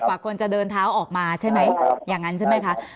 กว่าคนจะเดินเท้าออกมาใช่ไหมอย่างนั้นใช่ไหมคะ